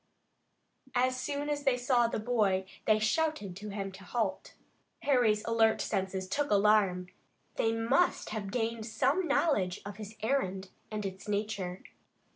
As soon as they saw the boy they shouted to him to halt. Harry's alert senses took alarm. They must have gained some knowledge of his errand and its nature.